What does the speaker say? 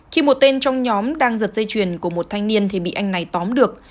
khi một tên trong nhóm đang giật dây chuyền của một thanh niên thì bị anh này tóm được